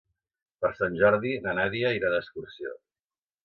Per Sant Jordi na Nàdia irà d'excursió.